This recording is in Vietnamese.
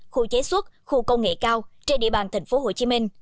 khu chế xuất khu công nghệ cao trên địa bàn tp hcm